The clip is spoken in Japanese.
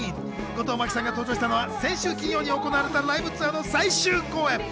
後藤真希さんが登場したのは、先週金曜に行われたライブツアーの最終公演。